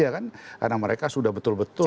karena mereka sudah betul betul